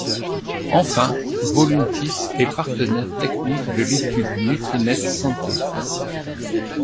Enfin, Voluntis est partenaire technique de l'Etude-NutriNet Santé.